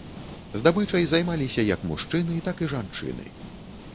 Здабычай займаліся як мужчыны, так і жанчыны.